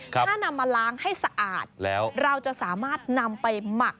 ถ้านำมาล้างให้สะอาดแล้วเราจะสามารถนำไปหมัก